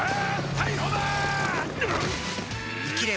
逮捕だー！